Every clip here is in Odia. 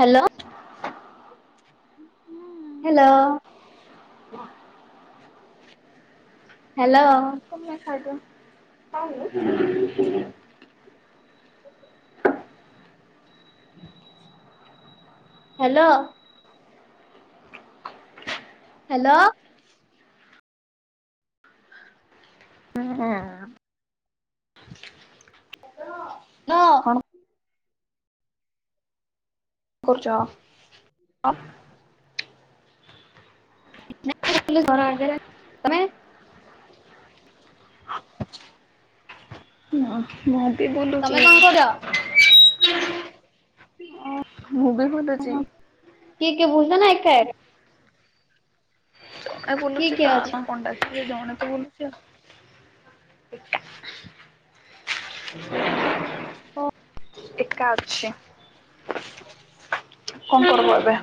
ହାଲୋ ହାଲୋ ଅ ହାଲୋ ତୁମେ ଖାଇଦିଅ। [unintelligible] ହାଲୋ ହାଲୋ ହାଲୋ କଣ କରୁଛ ଆ [unintelligible] ନା ବୁଲୁଚୁ ଘର ଆଗରେ ତମେ ହଁ ମ ତମେ କଣ କରିବ? [inaudible] ଅ ମୁଁ ବି ବୁଲୁଚି ବୁଲୁଚ ନା ଏକା ଏକା ଆ କିଏ ବୁଲୁଚି କିଏ ଅଛ? କାହାକୁ କଣ ଡାକିବି ଜଣେ ବୁଲୁଚି ଆଉ ଏକା ଏକା ଅଛି। କଣ କରିବ ଏବେ?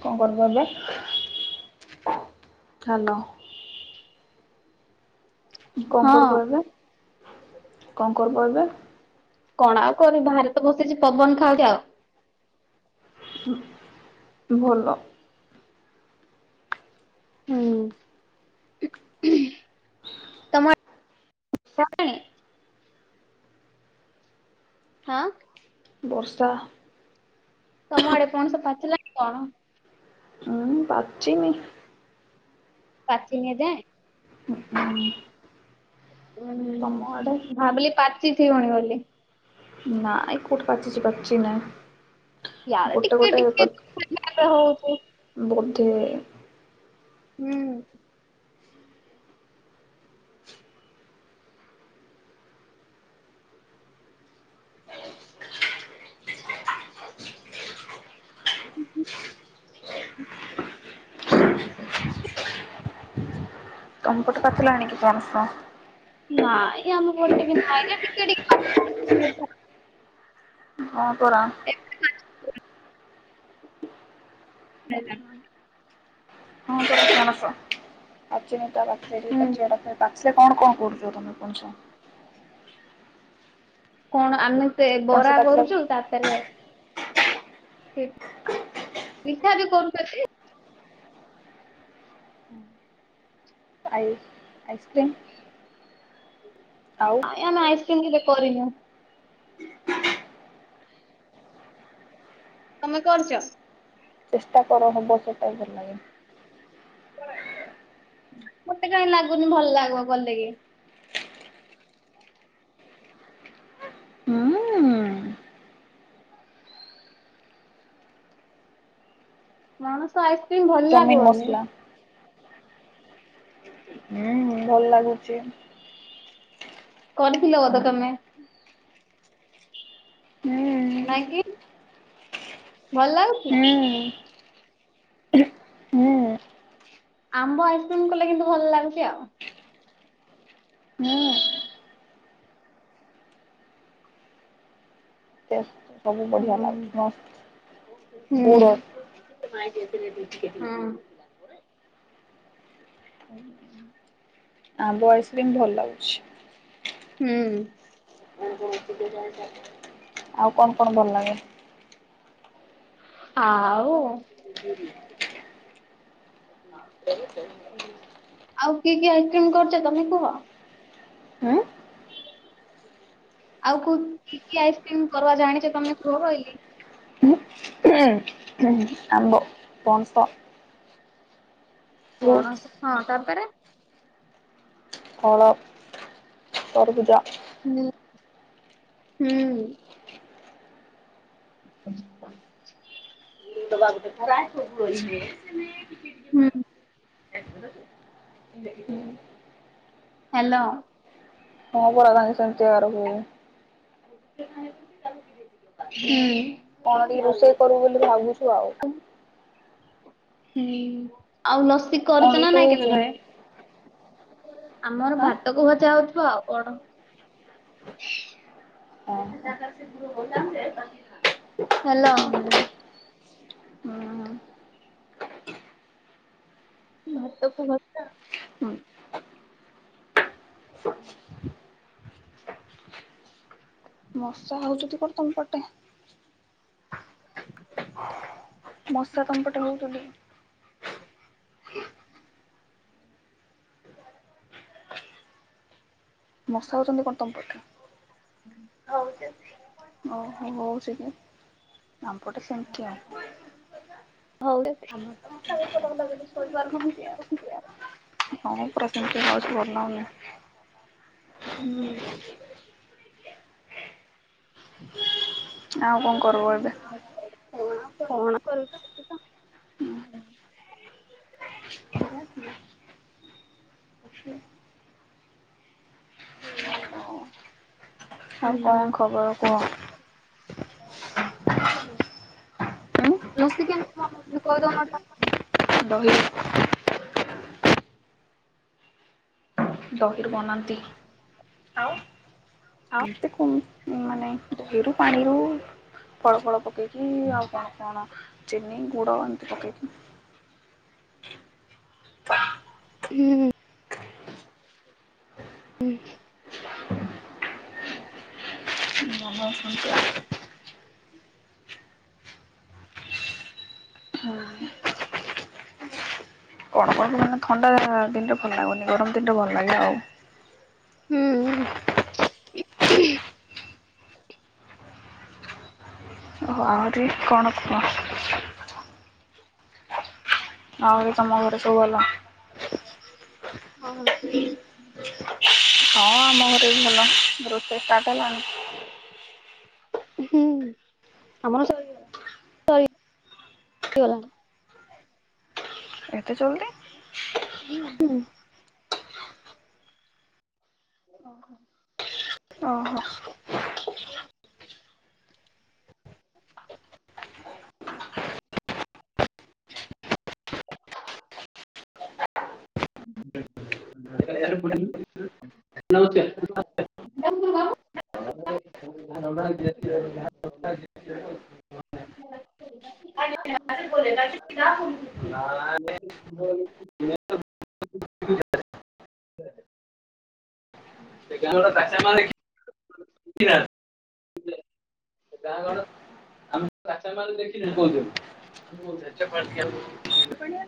କଣ କରିବ ଏବେ? ହ୍ୟାଲୋ କଣ ହଁ କରିବ ଏବେ? କଣ କରିବ ଏବେ? କଣ ଆଉ କରିବି ବାହାରେ ତ ବସିଚି ପବନ ଖାଉଟି ଆଉ ହୁଁ, ଭଲ ହଁ। କାଇଁ ହଁ। ବର୍ଷା ତୋମ ଆଡେ ପଣସ ପାଚିଲା କି କଣ? ହଁ ପାଚିନି। ପାଚିନି ଉଁ ଏଯାଏଁ। ତମ ଆଡେ ଭାବିଲି ପାଚି ଥିବଣି ବୋଲି ନାଇ କୋଉଠି ପାଚଚି, ପାଚି ନା ୟାର ଟିିକେ ଟିକେ [inaudible] ହଉଚି ତେ ହୁଁ, ଉଁ, ହୁଁ, [inaudible] ତୋମ ପଟେ ପାଚିଲାଣି କି ପଣସ? ନାଇଁ ଆମ ପଟେ ବି ନାଇଁ ଟିକେ ଟିକେ ପା [inaudible] ବବ। ହଁ ପରା ହେଲା [unintelligible] ତା ପାଖରେ ଟିକେ ହୁଁ ପାଚିବା [unintelligible] ସେ କଣ କଣ କରୁଚ ତୋମେ ପଣସ? କଣ ଆମେ ସେ ପଣସ ବରା ପାଚିଲା କରୁଚୁ ତାପରେ ସେ ପିଠାବି କରୁଚନ୍ତି। ଆଇ ଆଇସକ୍ରିମ୍ କାଇଁ ଆମେ ଆଇସକ୍ରିମ୍ କି ଦେ କରିନୁ। ତୋମେ କରୁଚ? ଚେଷ୍ଟା କର ହବ ସେଟା ବି ଭଲ ଲାଗେ। ମୋତେ କାଇଁ ଲାଗୁନି ଭଲ ଲାଗିବ କଲେ କି? ହୁଁ ପଣସ ଆଇସ ସେ ଭଲ ଚାଉମିନ ଲାଗିବନି। ମସଲା ଉଁ, ହୁଁ, ଭଲ ଲାଗୁଚି। କରିଥିଲ ବୋଧେ ତୋମେ? ହୁଁ ନାଇଁ କିି ଭଲ ଲାଗୁଚି ହୁଁ ହୁଁ ଆମ୍ବ ଆଇସ୍କ୍ରିମ୍ କଲେ କିନ୍ତୁ ଭଲ ଲାଗୁଛି ଆଉ। ହୁଁ। ଟେଷ୍ଟ ସବୁ ବଢିଆ ହୁଁ ଲାଗୁଛି, ଆ, ହୁଁ ଗୁଡ। ହୁଁ [unintelligible] ଆମ୍ବ ଆଇସ୍କ୍ରିମ୍ ଭଲ ଲାଗୁଛି। ହୁଁ। ଆଉ କଣ କଣ ଭଲ ଲାଗେ? ଆଉ [inaudible] ଆଉ କିଏ କିଏ ଆଇସକ୍ରିମ୍ କରୁଚ ତମେ କୁହ? ହୁଁ? ଆଉ କୋଉ କି କି ଆଇସକ୍ରିମ କରିବା ଜାଣିଛ ତମେ କୁହ ବଇଲି? ଆମ୍ବ ପଣସ। ଫ୍ରୁଟ୍ସ୍ ପଣସ ହଁ ତାପରେ ଫଳ ତରଭୁଜ। ହ ହୁଁ। [unintelligible] ମୁ ତ ବାବୁ ତ ଖରା କୁ କୁହି ନେ। ହୁଁ। [unintelligible] ହାଲୋ। ହଁ ପରା ତାଙ୍କେ। [unintelligible] ହୁଁ। ଏଇ ରୋଷେଇ କରୁ ବୋଲି ଭାବୁଛୁ। ୱା ଓ। ହୁଁ ଆଉ ଲସ ଚି କଣ କରୁଛ ନା ରୋଷେଇ ନାଇଁ ହେଇଛି? କେବେ ଘରେ? ଆମର ଆଁ ଭାତ କୁ ଭଜା ହଉଚି। [unintelligible] ଆଉ କଣ? ହୁଁ [unintelligible] ହ୍ୟାଲୋ। ଭାତ କୁ ଭଜା। ମଶା ହଉଚନ୍ତି କଣ ତମ ପଟେ? [unintelligible] ମଶା ତମ ପଟେ ହଉଚନ୍ତି? [unintelligible] ମଶା ହଉଛନ୍ତି କଣ ତମ ପଟେ? ହଉଚନ୍ତି ଓ ହୋ ହଉସିକେ। ଆମପଟେ ସେମିତି ଆ ହଉ ଆମାର ତ ହ [unintelligible] ପୁରାସେମିତି ହଉଛି ଭଲଲାଉଁନି। ହୁଁ। [unintelligible] ଆଉ କଣ କରବୁ ଏବେ? କରୁଛିତିତ ଆଉ ହୁଁ କଣ ଖବର କୁୁହ? ହ [unintelligible] ଦହି। ଦହିରୁ ବନାନ୍ତି ଆଉ। ଏମିତି କଣ ମାନେ ଦହିରୁ। ପାଣିରୁ ଫଳ ଫଳ ପକେଇକି ଆଉ କଣ କଣ ଚିନି ଗୁଡ଼ ଏମିତି ପକେଇକି। ହୁଁ ହୁଁ [unintelligible] କଣ କଣ ମାନେ ଥଣ୍ଡା ଦିନରେ ଭଲ ଲାଗୁନି ଗରମ ଦିନରେ ଭଲ ଲାଗେ ଆଉ। ହୁଁ ଓ ଆହୁରି କଣ କୁହ। ଆଉ ତମ ଘରେ ସବୁ ଭଲ? ହଁ ହଁ ଆମ ଘରେ ବି ଭଲ, ରୋଷେଇ ଷ୍ଟାର୍ଟ ହେଲାଣି? ହୁଁ ଆମର ସବୁ ସରି ଗଲାଣି। ଏତେ ଜଲ୍ଦି? ହୁଁ ଅ ହ। ଅ ହ। [unintelligible] [unintelligible] [unintelligible] ନାଆଁ। [unintelligible] [unintelligible] ସେ ଗାଁରେ ବାଜା। [unintelligible] [unintelligible] ଗାଁ ଗଣ୍ଡା। [unintelligible] କୁ କହୁଛନ୍ତି ଚେଚେ। [unintelligible] ପଣିଆ।